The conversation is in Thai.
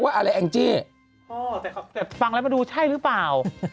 ขอบคุณครับแต่ฟังแล้วมาดูใช่หรือเปล่า